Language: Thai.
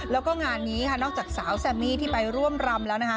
แล้วก็งานนี้ค่ะนอกจากสาวแซมมี่ที่ไปร่วมรำแล้วนะคะ